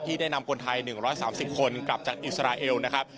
ได้นำคนไทย๑๓๐คนกลับจากอิสราเอลนะครับ